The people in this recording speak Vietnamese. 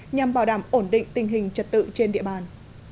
nhằm bảo đảm ổn định tình hình trật tự trên địa bàn